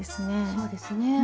そうですね。